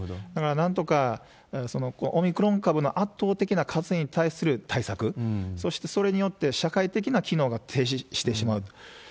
だからなんとか、オミクロン株の圧倒的な数に対する対策、そしてそれによって社会的な機能が停止してしまうと。